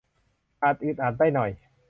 อาจอึดอัดได้หน่อย